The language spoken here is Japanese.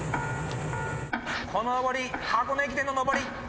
この上り箱根駅伝の上り。